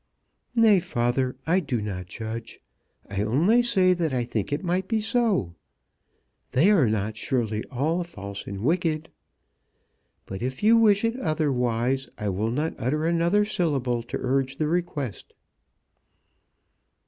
"Nay, father; I do not judge. I only say that I think it might be so. They are not surely all false and wicked. But if you wish it otherwise I will not utter another syllable to urge the request."